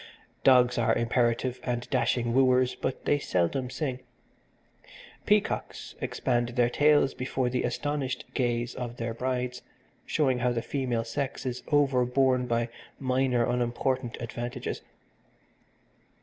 Dogs are imperative and dashing wooers, but they seldom sing. Peacocks expand their tails before the astonished gaze of their brides, showing how the female sex is over borne by minor, unimportant advantages.